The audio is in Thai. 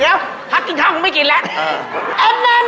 เดี๋ยวพักกินข้าวคงไม่กินแล้ว